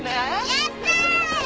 やった！